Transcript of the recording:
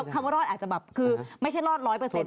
คำว่ารอดอาจจะแบบไม่ใช่รอดร้อยเปอร์เซ็นต์